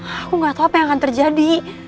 aku gak tahu apa yang akan terjadi